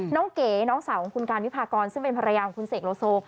เก๋น้องสาวของคุณการวิพากรซึ่งเป็นภรรยาของคุณเสกโลโซ